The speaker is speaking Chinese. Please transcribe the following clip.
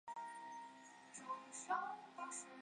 史迪威博物馆是重庆重要的陪都遗迹。